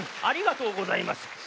「ありがとうございます。